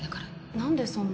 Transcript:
何でそんな